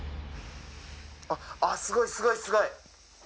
あっすごいすごいすごい。